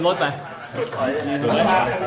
ตำรวจแห่งมือ